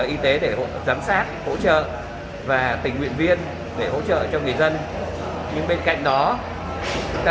y tế để giám sát hỗ trợ và tình nguyện viên để hỗ trợ cho người dân nhưng bên cạnh đó chúng ta